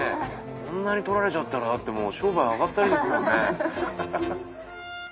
こんなに取られちゃったら商売あがったりですもんね。